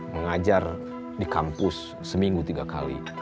mengajar di kampus seminggu tiga kali